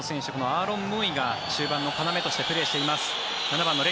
アーロン・ムーイが中盤の要としてプレーしています。